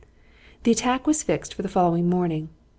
The attack was fixed for the following morning.